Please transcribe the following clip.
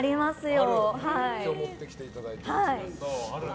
今日、持ってきていただいて。